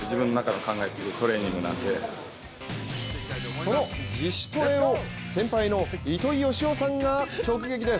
その自主トレを先輩の糸井嘉男さんが直撃です。